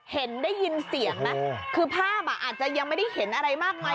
ได้ยินเสียงไหมคือภาพอ่ะอาจจะยังไม่ได้เห็นอะไรมากมาย